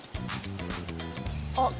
あっ！